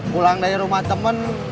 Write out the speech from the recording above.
pulang dari rumah temen